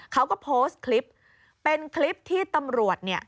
เขาก็โพสต์คลิปเป็นคลิปที่ตำรวจเนี่ย